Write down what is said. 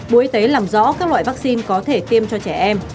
bộ y tế làm rõ các loại vaccine có thể tiêm cho trẻ em